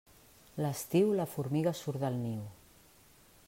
L'estiu, la formiga surt del niu.